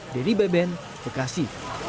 dedy beben bekasi